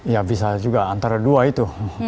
ya bisa juga antara dua itu